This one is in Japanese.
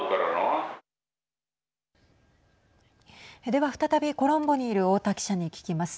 では、再びコロンボにいる太田記者に聞きます。